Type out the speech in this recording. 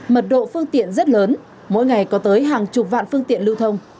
mật độ phương tiện rất lớn mỗi ngày có tới hàng chục vạn phương tiện lưu thông